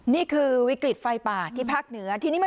นี่คือวิกฤตไฟป่าที่ภาคเหนือ